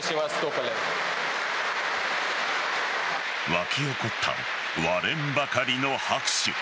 わき起こった割れんばかりの拍手。